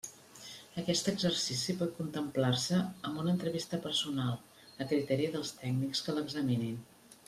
Aquest exercici pot complementar-se amb una entrevista personal, a criteri dels tècnics que l'examinin.